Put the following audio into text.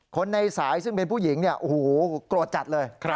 คนในสายซึ่งเป็นผู้หญิงเนี่ยโอ้โหโกรธจัดเลย